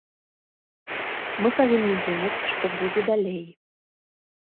Мы павінны думаць, што будзе далей.